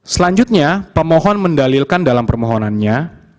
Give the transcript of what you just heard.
selanjutnya pemohon mendalilkan dalam permohonannya